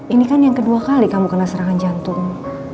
ini kan yang kedua kali kamu kena serangan jantung